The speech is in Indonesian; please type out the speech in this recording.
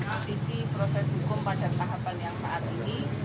posisi proses hukum pada tahapan yang saat ini